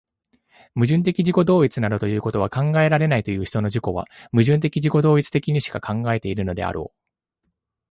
矛盾的自己同一などいうことは考えられないという人の自己は、矛盾的自己同一的にしか考えているのであろう。